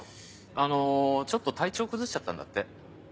あのちょっと体調崩しちゃったんだって。